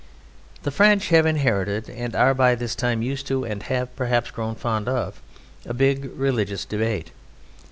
The French have inherited (and are by this time used to, and have, perhaps grown fond of) a big religious debate.